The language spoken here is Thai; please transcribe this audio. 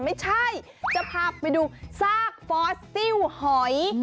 ไม่ใช่จะพาไปดูซากฟอสซิลหอย